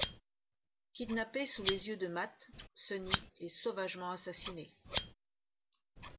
Kidnappée sous les yeux de Matt, Sunny est sauvagement assassinée.